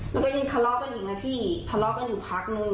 แล้วก็ยังทะเลาะกันอีกนะพี่ทะเลาะกันอยู่พักนึง